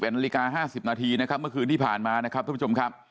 นาฬิกา๕๐นาทีนะครับเมื่อคืนที่ผ่านมานะครับทุกผู้ชมครับ